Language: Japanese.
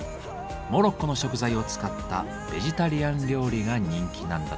モロッコの食材を使ったベジタリアン料理が人気なんだとか。